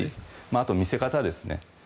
あとは見せ方ですね。